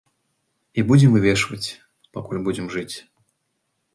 І будзем вывешваць, пакуль будзем жыць.